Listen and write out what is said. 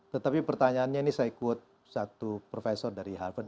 tetapi pertanyaannya ini saya quote satu professor dari harvard